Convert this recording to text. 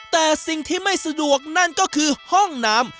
แต่สิ่งที่ไม่สะดวกนั่นก็คือห้องน้ำ